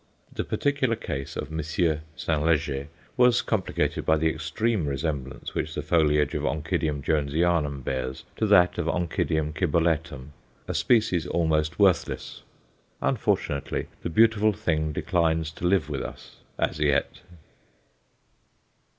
The particular case of Monsieur St. Leger was complicated by the extreme resemblance which the foliage of Onc. Jonesianum bears to that of Onc. cibolletum, a species almost worthless. Unfortunately the beautiful thing declines to live with us as yet.